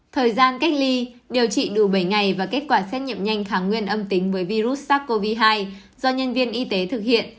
thời gian cách ly điều trị đủ bảy ngày và kết quả xét nghiệm nhanh khả nguyên âm tính với virus sars cov hai do nhân viên y tế thực hiện